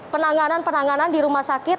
penanganan penanganan di rumah sakit